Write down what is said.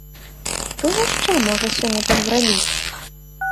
Хто яшчэ можа сёння так зрабіць?